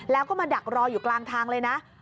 แล้วก็มาดักรออยู่กลางทางเลยนะ